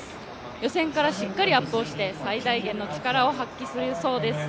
予選からしっかりアップをして、最大限の力を発揮するそうです。